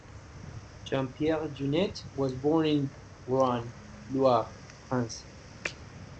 Jean-Pierre Jeunet was born in Roanne, Loire, France.